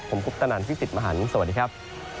ผมกุ๊บตะนั่นฟิศิษฐ์มหาร์นสวัสดีครับ